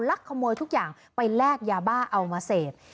ขโมยทุกอย่างไปแลกยาบ้าเอามาเสพ